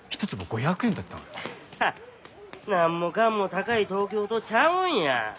なんもかんも高い東京とちゃうんや。